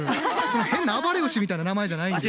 変な暴れ牛みたいな名前じゃないんです。